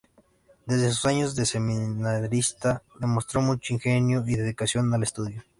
Desde sus años de seminarista demostró mucho ingenio y dedicación al estudio.